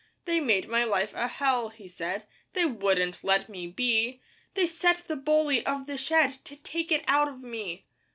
'They made my life a hell,' he said; 'They wouldn't let me be; 'They set the bully of the shed 'To take it out of me.